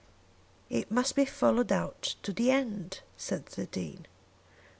"It must be followed out to the end," said the Dean.